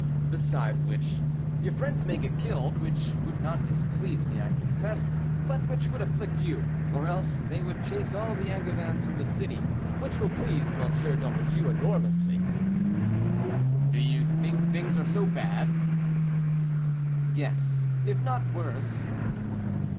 Besides which, your friends may get killed, which would not displease me, I confess, but which would afflict you, or else they will chase all the Angevins from the city, which will please M. d'Anjou enormously." "Do you think things are so bad?" "Yes, if not worse."